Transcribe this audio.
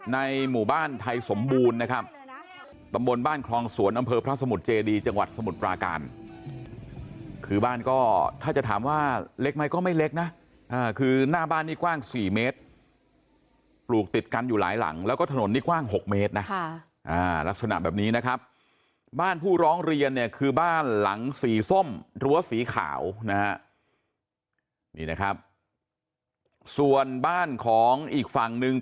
ในหมู่บ้านไทยสมบูรณ์นะครับตำบลบ้านคลองสวนอำเภอพระสมุทรเจดีจังหวัดสมุทรปราการคือบ้านก็ถ้าจะถามว่าเล็กไหมก็ไม่เล็กนะคือหน้าบ้านนี่กว้าง๔เมตรปลูกติดกันอยู่หลายหลังแล้วก็ถนนนี้กว้าง๖เมตรนะลักษณะแบบนี้นะครับบ้านผู้ร้องเรียนเนี่ยคือบ้านหลังสีส้มรั้วสีขาวนะฮะนี่นะครับส่วนบ้านของอีกฝั่งหนึ่ง